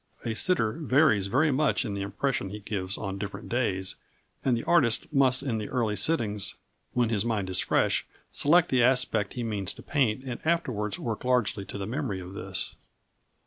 A sitter varies very much in the impression he gives on different days, and the artist must in the early sittings, when his mind is fresh, select the aspect he means to paint and afterwards work largely to the memory of this.